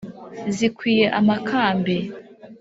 zikwiye amakambi,